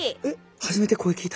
初めて声聞いた。